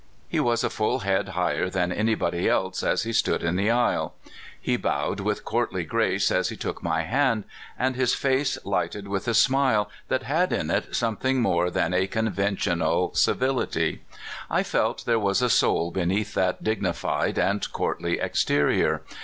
He was a full head higher than anybody else as he stood in the aisle. He bowed with courtly grace as he took my hand, and his face lighted with a (248) WINTER BLOSSOMED. 249 srhile that had in it something more than a con ventional civility. I felt that there was a soul be neath that dignified and courtly exterior.